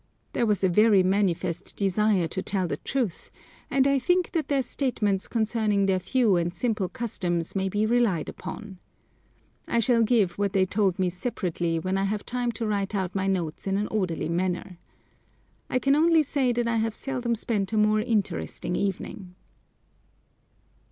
There was a very manifest desire to tell the truth, and I think that their statements concerning their few and simple customs may be relied upon. I shall give what they told me separately when I have time to write out my notes in an orderly manner. I can only say that I have seldom spent a more interesting evening.